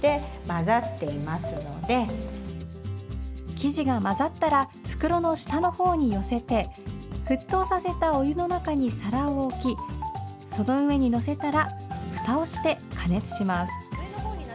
生地が混ざったら袋の下の方に寄せて沸騰させたお湯の中に皿を置きその上に載せたらふたをして加熱します。